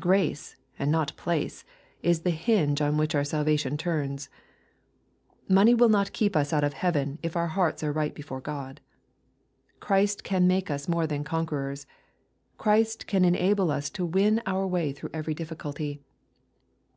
Grace, and notjpZace, is the hinge on which our salvation turns. Money wMi pot keep us out of heaven if our hearts are right before God. Christ can make us more than conquerors. Christ can enable us to win our way through every difficulty.